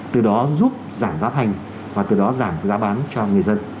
từ đó giúp giảm giá thành và từ đó giảm giá bán cho người dân